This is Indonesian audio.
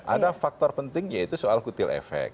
ada faktor penting yaitu soal kutil efek